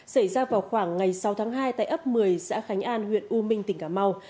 xảy ra vào khoảng ngày sáu tháng hai tại ấp một mươi xã khánh an huyện u minh tỉnh cà mau